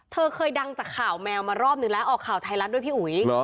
เธอเคยดังจากข่าวแมวมารอบนึงแล้วออกข่าวไทยรัฐด้วยพี่อุ๋ย